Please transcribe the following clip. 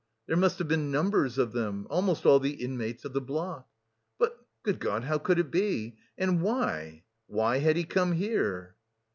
There must have been numbers of them almost all the inmates of the block. "But, good God, how could it be! And why, why had he come here!"